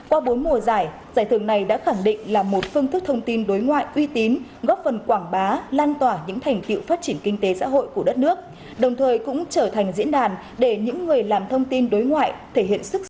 qua bốn mùa giải giải thưởng này đã khẳng định là một phương thức thông tin đối ngoại uy tín góp phần quảng bá lan tỏa những thành tiệu phát triển kinh tế xã hội của đất nước đồng thời cũng trở thành diễn đàn để những người làm thông tin đối ngoại thể hiện sức sống